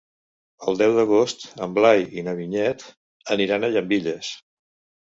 El deu d'agost en Blai i na Vinyet aniran a Llambilles.